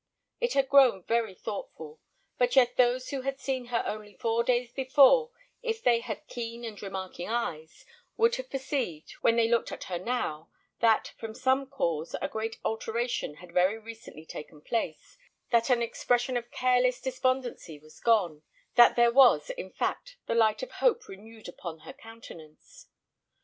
It had grown very thoughtful; but yet those who had seen her only four days before, if they had keen and remarking eyes, would have perceived, when they looked at her now, that, from some cause, a great alteration had very recently taken place; that an expression of careless despondency was gone; that there was, in fact, the light of hope renewed upon her countenance.